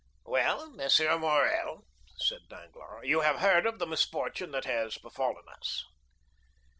"Well, M. Morrel," said Danglars, "you have heard of the misfortune that has befallen us?"